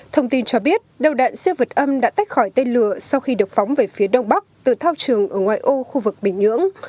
thông tin cho biết đầu đạn siêu vật âm đã tách khỏi tên lửa sau khi được phóng về phía đông bắc từ thao trường ở ngoài ô khu vực bình nhưỡng